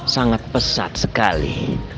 sangat pesat sekali